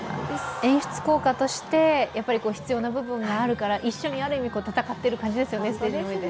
演出効果として必要な部分があるから一緒にある意味戦っている感じですよね。